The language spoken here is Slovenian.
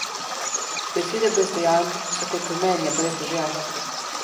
Besede brez dejanj so kot grmenje brez dežja.